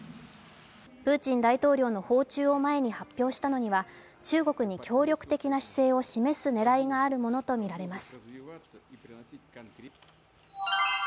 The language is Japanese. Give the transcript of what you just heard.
プーチン大統領の訪中を前に発表したのには中国に協力的な姿勢を示す狙いがあるものとみられます。